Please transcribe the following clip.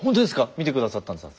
見て下さったんですか？